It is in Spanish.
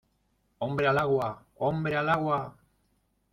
¡ hombre al agua! ¡ hombre al agua !